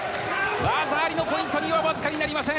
技ありのポイントにはわずかになりません。